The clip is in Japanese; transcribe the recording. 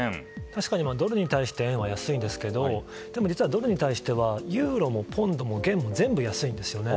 確かにドルに対して円は安いんですけどでも実はドルに対してはユーロもポンドも元も全部安いんですよね。